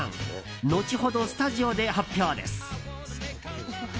後ほど、スタジオで発表です。